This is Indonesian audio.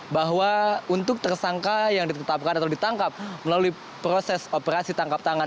bahwa untuk tersangka yang ditetapkan atau ditangkap melalui proses operasi tangkap tangan